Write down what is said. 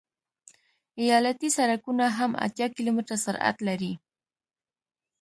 ایالتي سرکونه هم اتیا کیلومتره سرعت لري